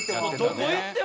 どこ行っても。